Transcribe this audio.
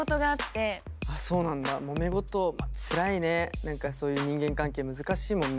何かそういう人間関係難しいもんね。